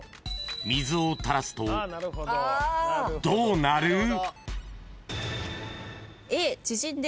［どうなる？］